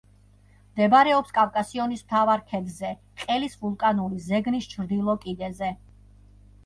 მდებარეობს კავკასიონის მთავარ ქედზე, ყელის ვულკანური ზეგნის ჩრდილო კიდეზე.